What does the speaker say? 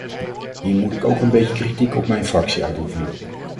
Hier moet ik ook een beetje kritiek op mijn fractie uitoefenen.